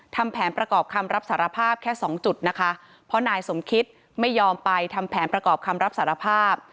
ทำแผนประกอบคำรับสารภาพแค่สองจุดนะคะเพราะนายสมคิตไม่ยอมไปทำแผนประกอบคำรับสารภาพ